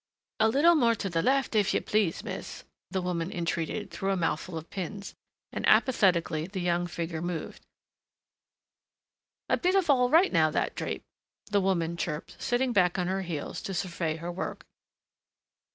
"A bit more to the left, h'if you please, miss," the woman entreated through a mouthful of pins, and apathetically the young figure moved. "A bit of h'all right, now, that drape," the woman chirped, sitting back on her heels to survey her work.